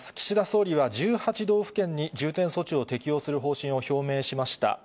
岸田総理は、１８道府県に重点措置を適用する方針を表明しました。